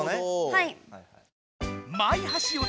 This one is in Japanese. はい。